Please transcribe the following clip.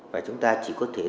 và chúng ta chỉ có thể